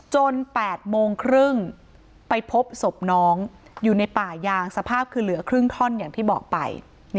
๘โมงครึ่งไปพบศพน้องอยู่ในป่ายางสภาพคือเหลือครึ่งท่อนอย่างที่บอกไป